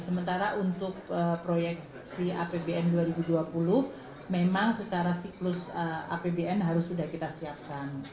sementara untuk proyeksi apbn dua ribu dua puluh memang secara siklus apbn harus sudah kita siapkan